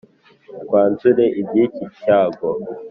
twanzure iby’iki cyago.